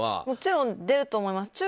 もちろん出ると思います。